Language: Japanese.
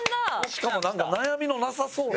しかもなんか悩みのなさそうな。